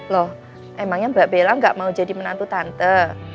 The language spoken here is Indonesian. loh emangnya mbak bella gak mau jadi menantu tante